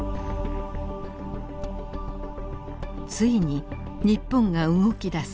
ついに日本が動き出す。